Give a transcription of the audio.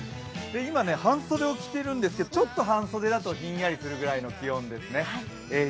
今、半袖を着ているんですけど、ちょっと半袖だとひんやりする気温ですね。